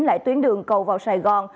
lại tuyến đường cầu vào sài gòn